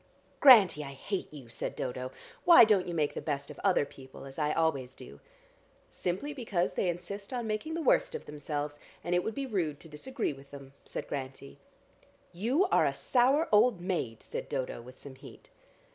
"Grantie, I hate you," said Dodo. "Why don't you make the best of other people, as I always do?" "Simply because they insist on making the worst of themselves, and it would be rude to disagree with them," said Grantie. "You are a sour old maid," said Dodo with some heat.